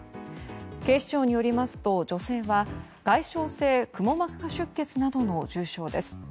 警視庁によりますと女性は外傷性くも膜下出血などの重傷です。